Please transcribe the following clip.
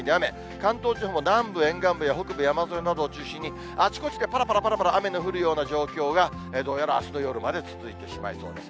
関東地方も南部沿岸部や、北部山沿いなどを中心に、あちこちでぱらぱらぱらぱら雨の降るような状況が、どうやらあすの夜まで続いてしまいそうです。